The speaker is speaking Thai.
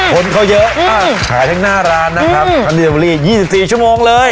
คนเขาเยอะอ้าขายทั้งหน้าร้านนะครับอันนี้จะบรียี่สิบสี่ชั่วโมงเลย